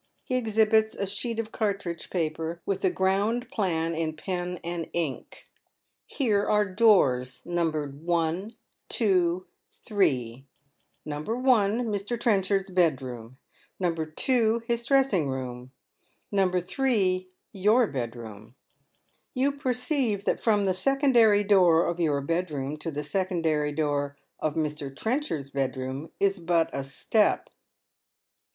He exhibits a sheet of cartridge paper, with a ground plan in pen and ink. ^ Here are doors numbered 1, 2, 3. No. 1, Mr. Trenchard's bed rooDl ; No. 2, his dressing room ; No. 3, your bedroom. You percyjive that from the secondary door of your bedroom to the •econdary door of Mr. Trenchard's bedroom is but a step."